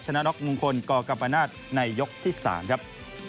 ชนะน็อกมุงคลก่อกับประนาทในยกที่๓ครับ